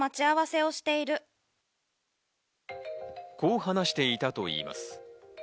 こう話していたといいます。